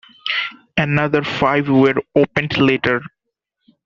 Another five were opened later.